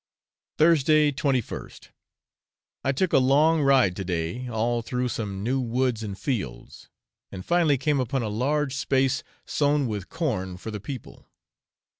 Thursday, 21st. I took a long ride to day all through some new woods and fields, and finally came upon a large space sown with corn for the people.